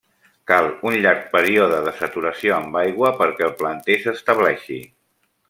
Cal un llarg període de saturació amb aigua perquè el planter s'estableixi.